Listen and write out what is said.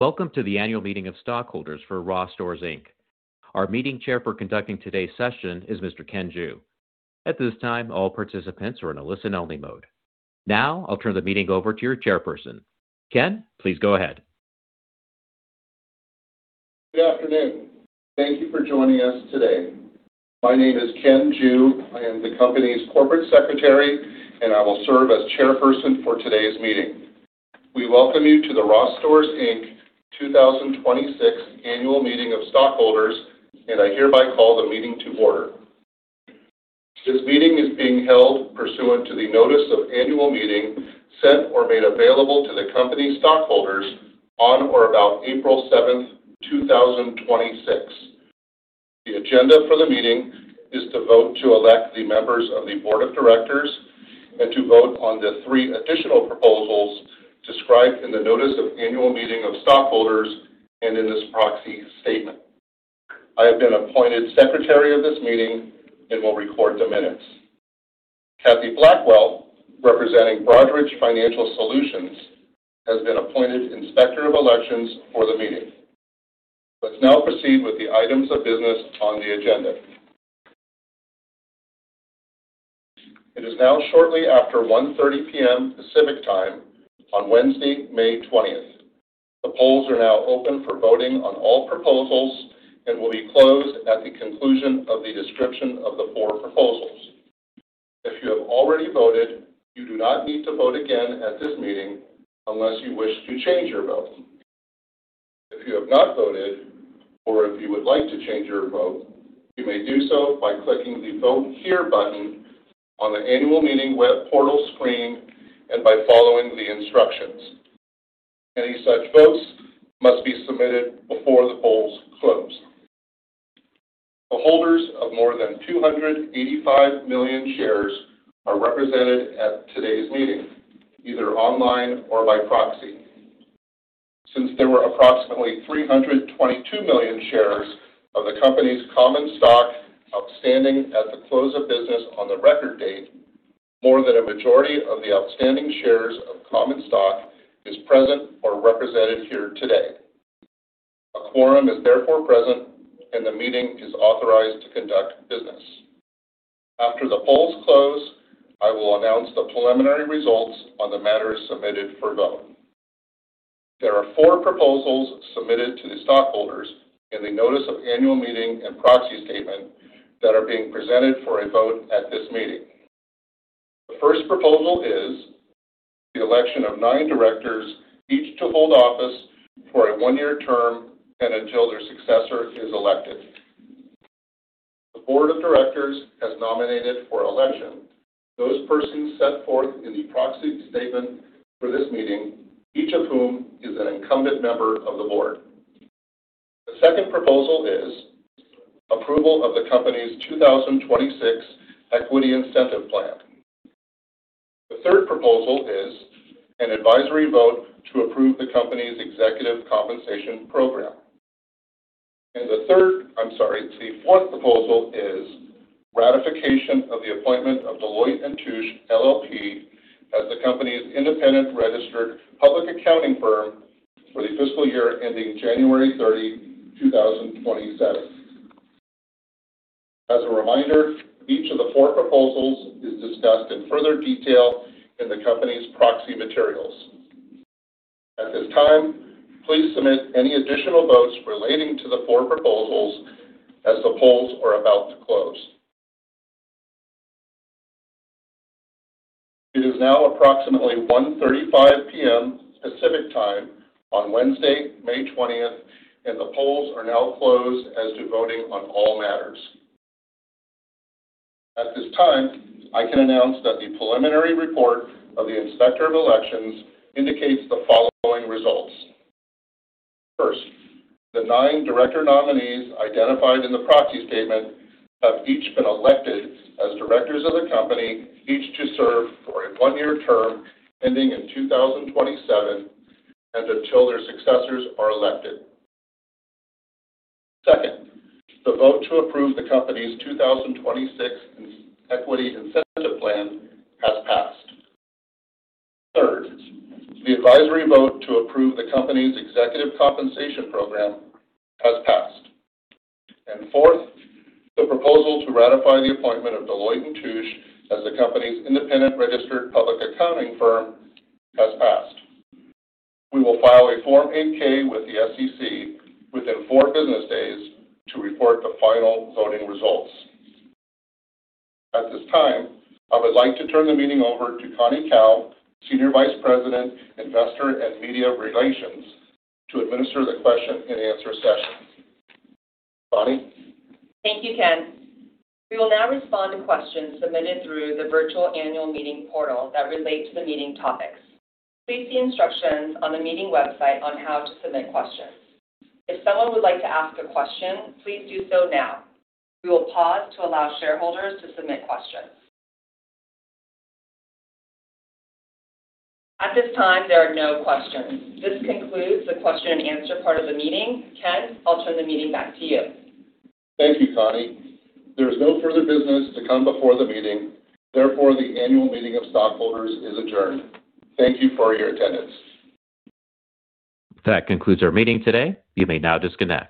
Welcome to the Annual Meeting of Stockholders for Ross Stores, Inc. Our meeting chair for conducting today's session is Mr. Ken Jew. At this time, all participants are in a listen-only mode. I'll turn the meeting over to your chairperson. Ken, please go ahead. Good afternoon. Thank you for joining us today. My name is Ken Jew. I am the company's corporate secretary, and I will serve as chairperson for today's meeting. We welcome you to the Ross Stores, Inc. 2026 Annual Meeting of Stockholders, and I hereby call the meeting to order. This meeting is being held pursuant to the notice of annual meeting sent or made available to the company stockholders on or about April 7th, 2026. The agenda for the meeting is to vote to elect the members of the Board of Directors and to vote on the three additional proposals described in the Notice of Annual Meeting of Stockholders and in this proxy statement. I have been appointed secretary of this meeting and will record the minutes. Kathy Blackwell, representing Broadridge Financial Solutions, has been appointed Inspector of Elections for the meeting. Let's now proceed with the items of business on the agenda. It is now shortly after 1:30 P.M. Pacific Time on Wednesday, May 20th. The polls are now open for voting on all proposals and will be closed at the conclusion of the description of the four proposals. If you have already voted, you do not need to vote again at this meeting unless you wish to change your vote. If you have not voted or if you would like to change your vote, you may do so by clicking the Vote Here button on the Annual Meeting web portal screen and by following the instructions. Any such votes must be submitted before the polls close. The holders of more than 285 million shares are represented at today's meeting, either online or by proxy. Since there were approximately 322 million shares of the company's common stock outstanding at the close of business on the record date, more than a majority of the outstanding shares of common stock is present or represented here today. A quorum is therefore present, and the meeting is authorized to conduct business. After the polls close, I will announce the preliminary results on the matters submitted for vote. There are four proposals submitted to the stockholders in the notice of annual meeting and proxy statement that are being presented for a vote at this meeting. The first proposal is the election of nine directors, each to hold office for a one-year term and until their successor is elected. The Board of Directors has nominated for election those persons set forth in the proxy statement for this meeting, each of whom is an incumbent member of the board. The second proposal is approval of the company's 2026 Equity Incentive Plan. The third proposal is an advisory vote to approve the company's Executive Compensation Program. The fourth proposal is ratification of the appointment of Deloitte & Touche LLP as the company's independent registered public accounting firm for the fiscal year ending January 30, 2027. As a reminder, each of the four proposals is discussed in further detail in the company's proxy materials. At this time, please submit any additional votes relating to the four proposals as the polls are about to close. It is now approximately 1:35 P.M. Pacific Time on Wednesday, May 20th, and the polls are now closed as to voting on all matters. At this time, I can announce that the preliminary report of the Inspector of Elections indicates the following results. First, the nine director nominees identified in the proxy statement have each been elected as directors of the company, each to serve for a one-year term ending in 2027 and until their successors are elected. Second, the vote to approve the company's 2026 Equity Incentive Plan has passed. Third, the advisory vote to approve the company's Executive Compensation Program has passed. Fourth, the proposal to ratify the appointment of Deloitte & Touche as the company's independent registered public accounting firm has passed. We will file a Form 8-K with the SEC within four business days to report the final voting results. At this time, I would like to turn the meeting over to Connie Kao, Senior Vice President, Investor and Media Relations, to administer the question-and-answer session. Connie? Thank you, Ken. We will now respond to questions submitted through the virtual annual meeting portal that relate to the meeting topics. Please see instructions on the meeting website on how to submit questions. If someone would like to ask a question, please do so now. We will pause to allow shareholders to submit questions. At this time, there are no questions. This concludes the question-and-answer part of the meeting. Ken, I'll turn the meeting back to you. Thank you, Connie Kao. There is no further business to come before the meeting. Therefore, the annual meeting of stockholders is adjourned. Thank you for your attendance. That concludes our meeting today. You may now disconnect.